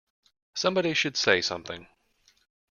Somebody should say something